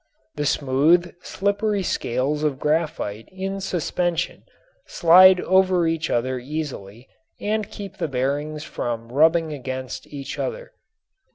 The smooth, slippery scales of graphite in suspension slide over each other easily and keep the bearings from rubbing against each other.